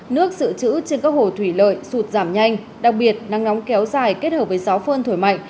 nước sự trữ trên các hồ thủy lợi sụt giảm nhanh đặc biệt nắng nóng kéo dài kết hợp với gió phơn thổi mạnh